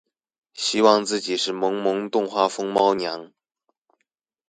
希望自己是萌萌動畫風貓娘